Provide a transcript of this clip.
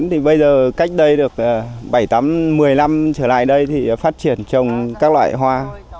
từ cách đây được bảy tám một mươi năm trở lại đây thì phát triển trồng các loại hoa